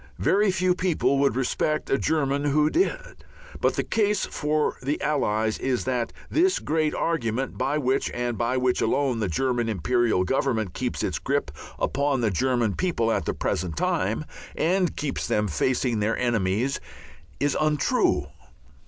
Very few people would respect a German who did. But the case for the Allies is that this great argument by which, and by which alone, the German Imperial Government keeps its grip upon the German people at the present time, and keeps them facing their enemies, is untrue.